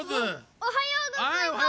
おはようございます。